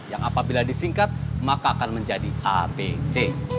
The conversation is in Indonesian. yang apabila disingkat maka akan menjadi abc